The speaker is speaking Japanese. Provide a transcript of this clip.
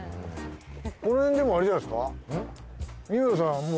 このへんでもあれじゃないですか？